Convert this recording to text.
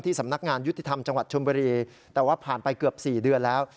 สำนักงานยุติธรรมจังหวัดชมบุรีแต่ว่าผ่านไปเกือบ๔เดือนแล้ว